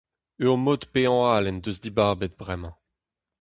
Ur mod-paeañ all en deus dibabet bremañ.